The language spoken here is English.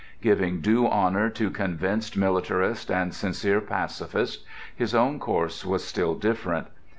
Giving due honour to convinced militarist and sincere pacifist, his own course was still different.